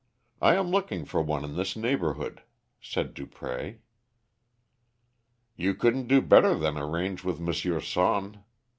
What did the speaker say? I am looking for one in this neighbourhood," said Dupré. "You couldn't do better than arrange with M. Sonne.